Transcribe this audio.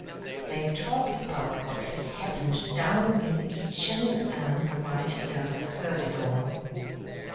They talked about what had happened down in the kitchen, and the white dove heard it all.